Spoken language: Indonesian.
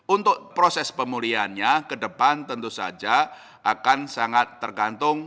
untuk proses pemulihan nya kedepan tentu saja akan sangat tergantung